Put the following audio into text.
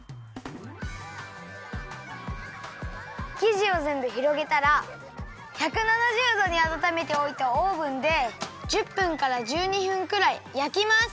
きじをぜんぶひろげたら１７０どにあたためておいたオーブンで１０分から１２分くらいやきます。